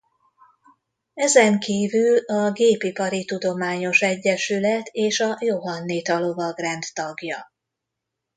Ezenkívül a Gépipari Tudományos Egyesület és a Johannita Lovagrend tagja.